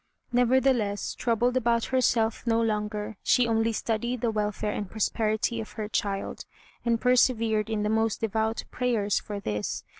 Nevertheless, troubled about herself no longer, she only studied the welfare and prosperity of her child, and persevered in the most devout prayers for this.